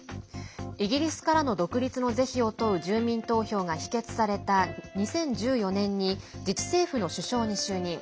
イギリスからの独立の是非を問う住民投票が否決された２０１４年に自治政府の首相に就任。